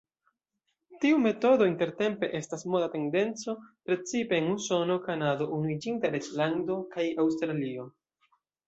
Tiu metodo intertempe estas moda tendenco precipe en Usono, Kanado, Unuiĝinta Reĝlando kaj Aŭstralio.